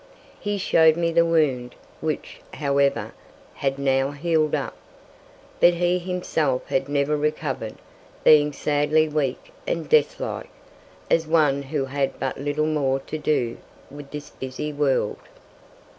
He showed me the wound, which, however, had now healed up. But he himself had never recovered, being sadly weak and death like, as one who had but little more to do with this busy world.